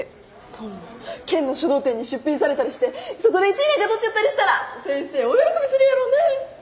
そんも県の書道展に出品されたりしてそこで１位なんか取っちゃったりしたら先生大喜びするやろうね。